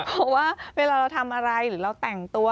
เพราะว่าเวลาเราทำอะไรหรือเราแต่งตัว